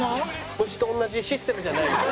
こっちと同じシステムじゃないよね？